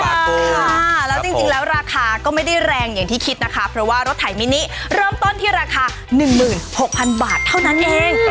ค่ะแล้วจริงแล้วราคาก็ไม่ได้แรงอย่างที่คิดนะคะเพราะว่ารถไถมินิเริ่มต้นที่ราคา๑๖๐๐๐บาทเท่านั้นเอง